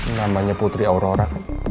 namanya putri aurora